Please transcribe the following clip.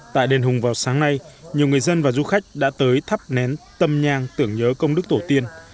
tại đền hùng vào sáng nay nhiều người dân và du khách đã tới thắp nén tâm nhang tưởng nhớ công đức tổ tiên